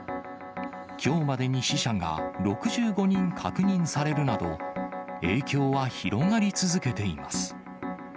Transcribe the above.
きょうまでに死者が６５人確認されるなど、影響は広がり続けています。